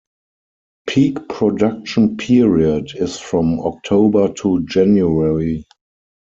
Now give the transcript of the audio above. Peak production period is from October to January.